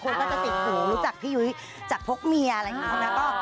ก็จะติดหูรู้จักพี่ยุ้ยจากพกเมียอะไรอย่างนี้